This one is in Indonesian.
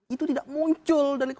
itu tidak muncul dari satu